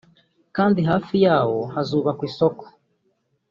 kandi hafi yawo hazubakwa isoko